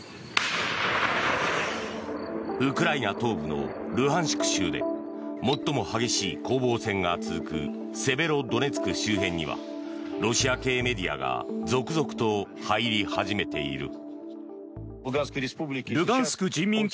ウクライナ東部のルハンシク州で最も激しい攻防戦が続くセベロドネツク周辺にはロシア系メディアが続々と入り始めている。